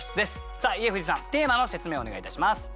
さあ家藤さんテーマの説明をお願いいたします。